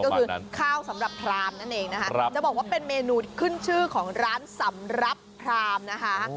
ก็คือข้าวสำหรับพรามนั่นเองนะคะจะบอกว่าเป็นเมนูขึ้นชื่อของร้านสำรับพรามนะคะ